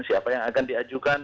siapa yang akan diajukan